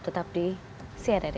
tetap di cnn indonesia